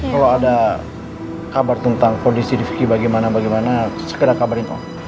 kalau ada kabar tentang kondisi rifki bagaimana bagaimana segera kabarin